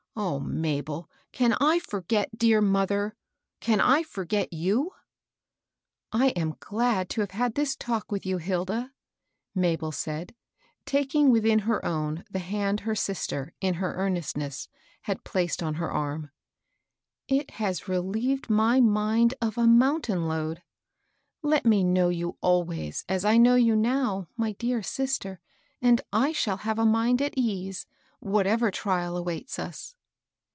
O Mabel ! can I forget dear mother ?— can 1 for get you f "^^ I am glad to have had this talk with you, Hilda," Mabel said, taking within her own the hand her sister, in her earnestness, had placed on her arm. " It has relieved my mind of a moun tain load. Let me know you always as I know you now, my dear Ater, and I shall have a mind at ease, whatever trial awaits us.